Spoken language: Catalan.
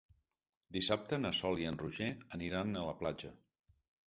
Dissabte na Sol i en Roger aniran a la platja.